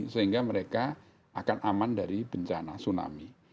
sehingga mereka akan aman dari bencana tsunami